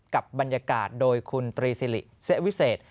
กับบรรยากาศโดยคุณตรีสิริเสวิเศษ